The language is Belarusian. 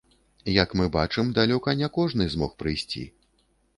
Як мы бачым, далёка не кожны змог прыйсці.